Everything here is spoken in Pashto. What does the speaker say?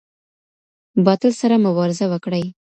باطل سره مبارزه وکړئ.